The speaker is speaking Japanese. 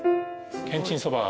けんちんそば。